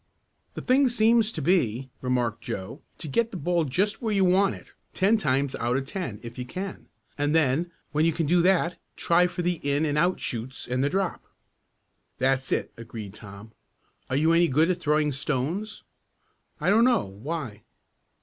"The thing seems to be," remarked Joe, "to get a ball just where you want it, ten times out of ten if you can, and then when you can do that, try for the in and out shoots and the drop." "That's it," agreed Tom. "Are you any good at throwing stones?" "I don't know. Why?"